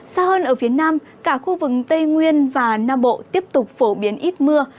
xa hơn ở phía nam cả khu vực tây nguyên và nam bộ tiếp tục phổ biến ít mưa